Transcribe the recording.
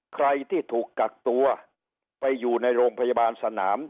ใครที่ถูกกักตัวไปอยู่ในโรงพยาบาลสนาม